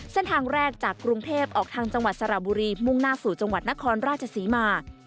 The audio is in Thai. เส้นทางแรกจากกรุงเทพออกทางจังหวัดสระบุรีมุ่งหน้าสู่จังหวัดนครราชศรีมา